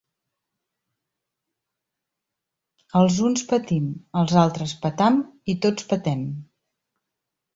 Els uns patim, els altres petam, i tots petem.